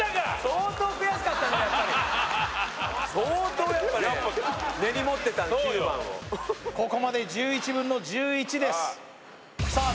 相当やっぱりここまで１１分の１１ですさあ